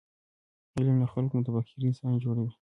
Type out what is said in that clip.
علم له خلکو متفکر انسانان جوړوي.